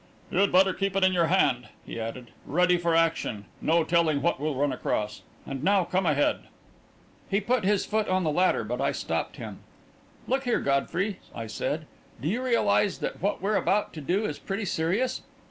"You'd better keep it in your hand," he added, "ready for action. No telling what we'll run across. And now come ahead." He put his foot on the ladder, but I stopped him. "Look here, Godfrey," I said, "do you realise that what we're about to do is pretty serious?